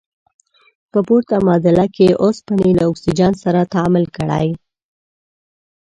په پورته معادله کې اوسپنې له اکسیجن سره تعامل کړی.